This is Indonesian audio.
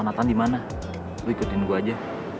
nathan di mana lu ikutin gue aja